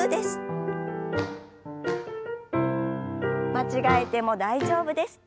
間違えても大丈夫です。